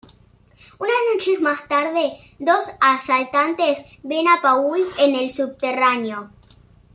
Unas noches más tarde, dos asaltantes ven a Paul en el subterráneo.